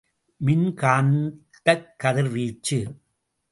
மின் காந்தக் கதிர்வீச்சு.